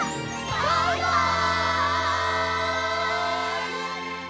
バイバイ！